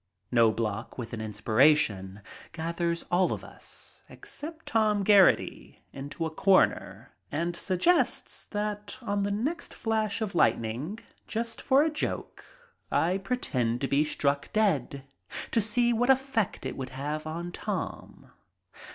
Knobloch, with an inspiration, gathers all of us, except Tom Geraghty, into a corner and suggests that on the next flash of lightning, just for a joke, I pretend to be struck dead, to see what effect it would have on Tom.